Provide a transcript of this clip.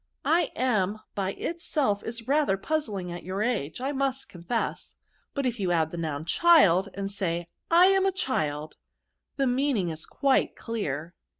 / am by itself is rather puzzling at your age, I must confess ; but if you add the noun child, and say I am a child, the mean ing is quite clear.